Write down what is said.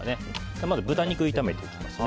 まず豚肉を炒めていきます。